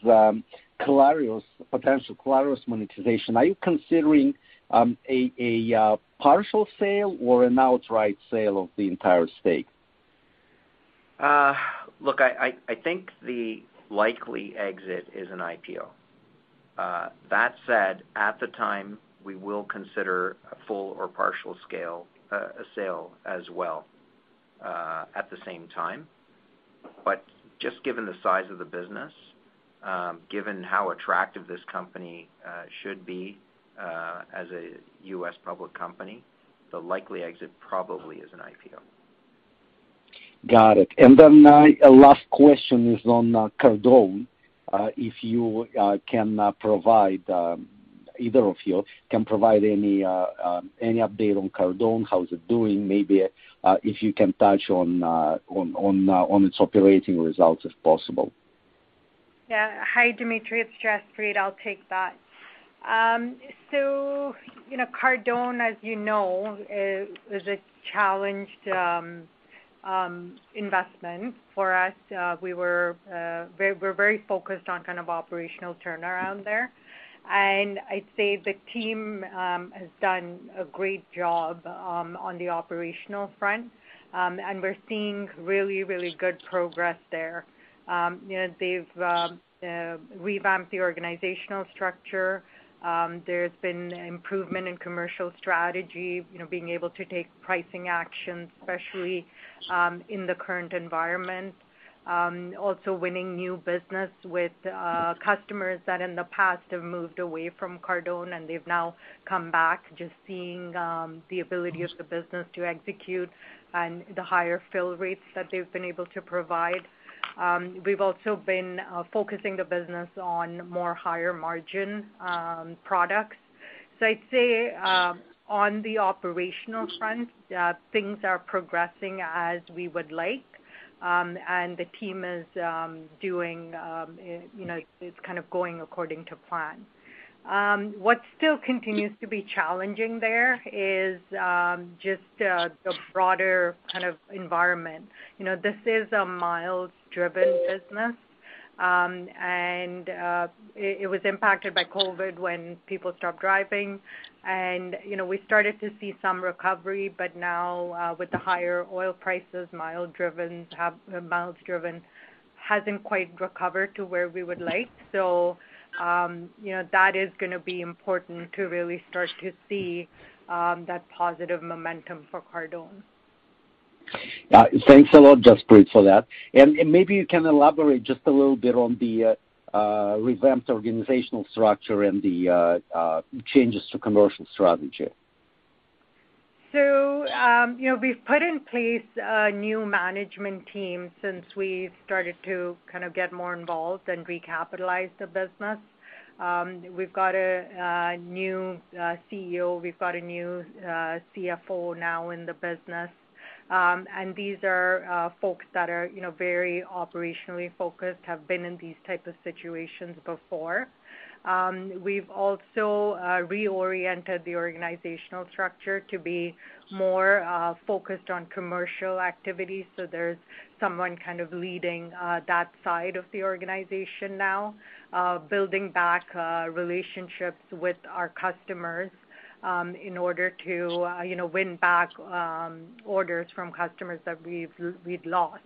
Clarios, potential Clarios monetization. Are you considering a partial sale or an outright sale of the entire stake? Look, I think the likely exit is an IPO. That said, at the time, we will consider a full or partial sale as well, at the same time. Just given the size of the business, given how attractive this company should be, as a U.S. public company, the likely exit probably is an IPO. Got it. A last question is on Cardone. If either of you can provide any update on Cardone, how is it doing? Maybe if you can touch on its operating results if possible. Yeah. Hi, Dimitry. It's Jaspreet. I'll take that. So, you know, Cardone, as you know, is a challenged investment for us. We're very focused on kind of operational turnaround there. I'd say the team has done a great job on the operational front. We're seeing really, really good progress there. You know, they've revamped the organizational structure. There's been improvement in commercial strategy, you know, being able to take pricing actions, especially in the current environment. Also winning new business with customers that in the past have moved away from Cardone, and they've now come back just seeing the ability of the business to execute and the higher fill rates that they've been able to provide. We've also been focusing the business on more higher margin products. I'd say on the operational front things are progressing as we would like. The team is doing you know it's kind of going according to plan. What still continues to be challenging there is just the broader kind of environment. You know this is a miles-driven business and it was impacted by COVID when people stopped driving. You know we started to see some recovery but now with the higher oil prices miles driven hasn't quite recovered to where we would like. You know that is gonna be important to really start to see that positive momentum for Cardone. Thanks a lot, Jaspreet for that. Maybe you can elaborate just a little bit on the revamped organizational structure and the changes to commercial strategy. You know, we've put in place a new management team since we've started to kind of get more involved and recapitalize the business. We've got a new CEO. We've got a new CFO now in the business. These are folks that are, you know, very operationally focused, have been in these type of situations before. We've also reoriented the organizational structure to be more focused on commercial activity, so there's someone kind of leading that side of the organization now. Building back relationships with our customers in order to, you know, win back orders from customers that we'd lost.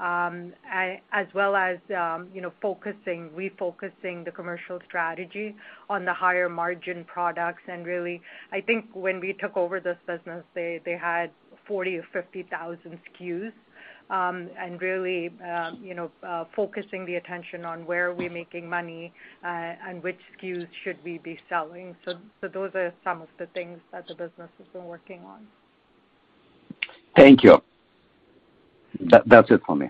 As well as, you know, refocusing the commercial strategy on the higher margin products and really I think when we took over this business, they had 40 or 50,000 SKUs. And really, you know, focusing the attention on where are we making money, and which SKUs should we be selling. Those are some of the things that the business has been working on. Thank you. That's it for me.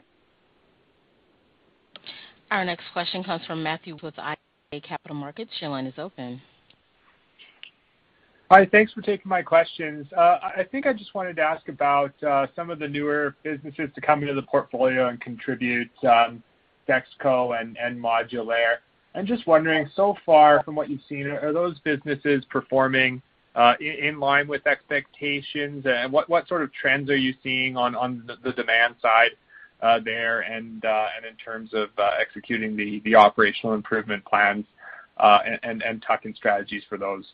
Our next question comes from Matthew with iA Capital Markets. Your line is open. Hi, thanks for taking my questions. I think I just wanted to ask about some of the newer businesses to come into the portfolio and contribute, DexKo and Modulaire. I'm just wondering, so far from what you've seen, are those businesses performing in line with expectations? What sort of trends are you seeing on the demand side there, and in terms of executing the operational improvement plans and tuck-in strategies for those?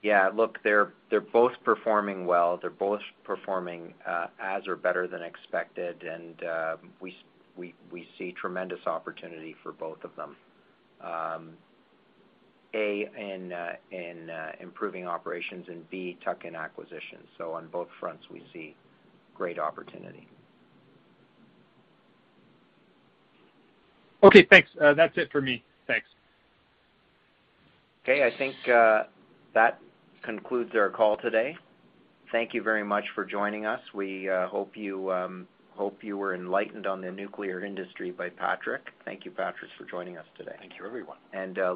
Yeah. Look, they're both performing well. They're both performing as or better than expected. We see tremendous opportunity for both of them. A, in improving operations and B, tuck-in acquisitions. On both fronts we see great opportunity. Okay, thanks. That's it for me. Thanks. Okay. I think that concludes our call today. Thank you very much for joining us. We hope you were enlightened on the nuclear industry by Patrick. Thank you, Patrick, for joining us today. Thank you, everyone.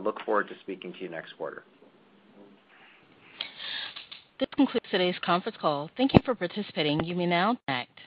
Look forward to speaking to you next quarter. This concludes today's conference call. Thank you for participating. You may now disconnect.